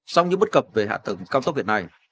sau những bất cập về hạ tầng cao tốc hiện nay